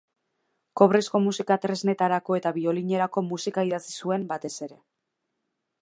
Kobrezko musika tresnetarako eta biolinerako musika idatzi zuen, batez ere.